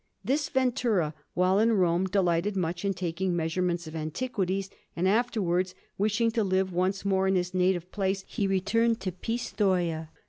This Ventura, while in Rome, delighted much in taking measurements of antiquities; and afterwards, wishing to live once more in his native place, he returned to Pistoia.